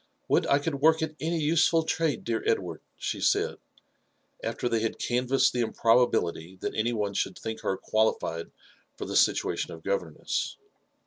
"Would I could work at any useful trade, dear Edward !" she said, after they had canvassed the improbability that any one should think her qualified for the situation of Governess.